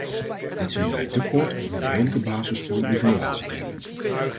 Dit vinden wij te kort om een redelijke basis voor een evaluatie te hebben.